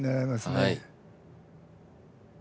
はい。